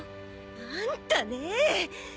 あんたねぇ！